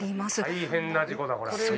大変な事故だこれは。